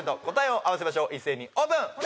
答えを合わせましょう一斉にオープン！